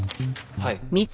はい。